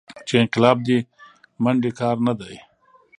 چې انقلاب دې منډې کار نه دى.